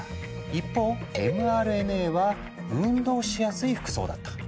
一方ｍＲＮＡは運動しやすい服装だった。